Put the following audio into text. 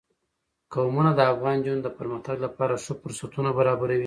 قومونه د افغان نجونو د پرمختګ لپاره ښه فرصتونه برابروي.